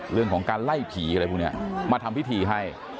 เรื่องของการไล่ผีอะไรพวกนี้มาทำพิธีให้